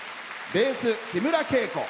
ベース、木村圭子。